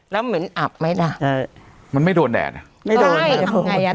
แล้วเหมือนอับไหมน่ะใช่มันไม่โดนแดดไม่โดนใช่ไงอ่ะ